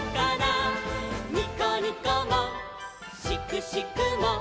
「にこにこもしくしくも」